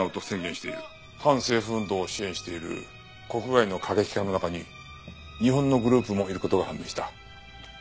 反政府運動を支援している国外の過激派の中に日本のグループもいる事が判明した。